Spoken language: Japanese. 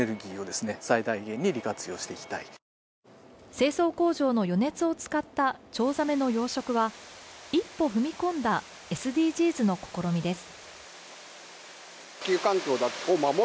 清掃工場の余熱を使ったチョウザメの養殖は、一歩踏み込んだＳＤＧｓの試みです。